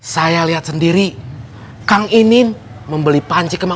saya lihat sendiri kang inin membeli panci kembali